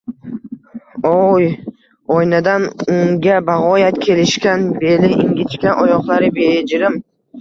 O…Y! Oynadan unga bagʼoyat kelishgan, beli ingichka, oyoqlari bejirim